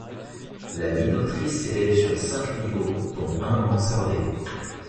La minoterie s’élève sur cinq niveaux dont un mansardé.